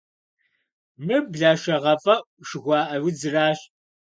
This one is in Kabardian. Мыр блэшэгъэфӏэӏу жыхуаӏэ удзращ.